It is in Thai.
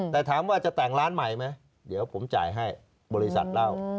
แต่ถามว่าจะแต่งร้านใหม่ไหมเดี๋ยวผมจ่ายให้บริษัทเล่า